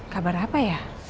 kabar apa ya